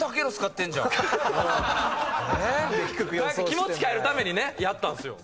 気持ち変えるためにねやったんすよ。